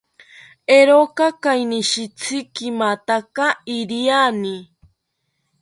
Eeroka kainishitzi kimataka iriani